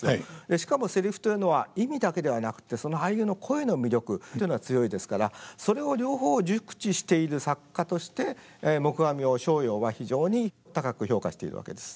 しかもセリフというのは意味だけではなくってその俳優の声の魅力っていうのが強いですからそれを両方熟知している作家として黙阿弥を逍遙は非常に高く評価しているわけです。